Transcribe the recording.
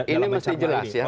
ini mesti jelas ya